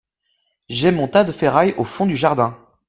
J'ai mon tas de ferrailles au fond du jardin.